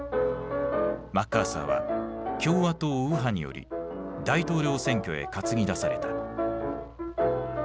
マッカーサーは共和党右派により大統領選挙へ担ぎ出された。